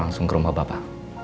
langsung ke rumah bapak